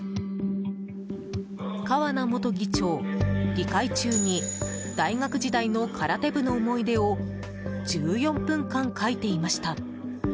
川名元議長、議会中に大学時代の空手部の思い出を１４分間、書いていました。